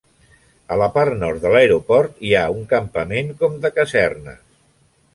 A la part nord de l'aeroport hi ha un campament com de casernes.